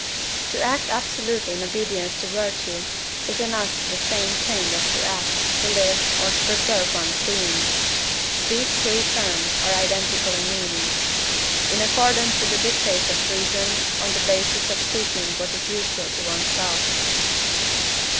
To act absolutely in obedience to virtue is in us the same thing as to act, to live, or to preserve one's being (these three terms are identical in meaning) in accordance with the dictates of reason on the basis of seeking what is useful to one's self.